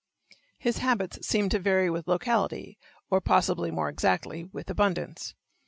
His habits seem to vary with locality, or possibly more exactly, with abundance.